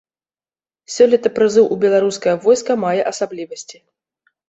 Сёлета прызыў у беларускае войска мае асаблівасці.